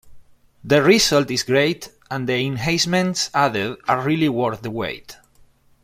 The result is great and the enhancements added are really worth the wait.